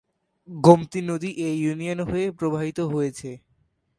গোমতী নদী এ ইউনিয়ন হয়ে প্রবাহিত হয়েছে।